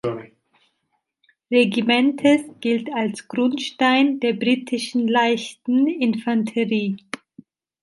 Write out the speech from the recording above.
Regimentes gilt als Grundstein der britischen Leichten Infanterie.